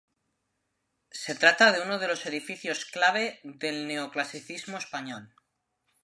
Se trata de uno de los edificios clave del Neoclasicismo español.